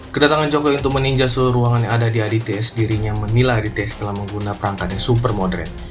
kedatangan jokowi untuk meninja seluruh ruangan yang ada di adts dirinya menilai adts telah menggunakan perangkat yang super modern